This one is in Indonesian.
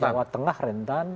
jawa tengah rentan